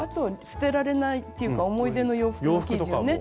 捨てられないっていうか思い出の洋服の生地をね